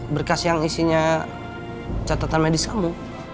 berkas yang isinya catatan medis kami